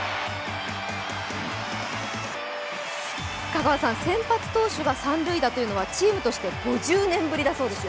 香川さん、先発投手が三塁打というのはチームとして５０年ぶりだそうです。